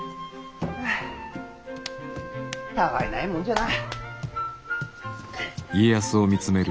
はあたあいないもんじゃな。